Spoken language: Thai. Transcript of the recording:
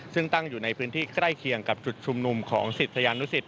ซึ่งตั้งอยู่ในพื้นที่ใกล้เคียงกับจุดชุมนุมของศิษยานุสิต